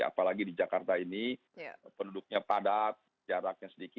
apalagi di jakarta ini penduduknya padat jaraknya sedikit